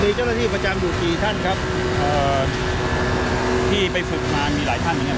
มีเจ้าหน้าที่ประจำอยู่กี่ท่านครับเอ่อที่ไปฝึกมามีหลายท่านเหมือนกัน